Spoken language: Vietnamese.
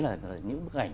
là những bức ảnh